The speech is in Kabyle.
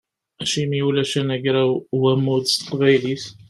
Acimi ulac anagraw n wammud s teqbaylit?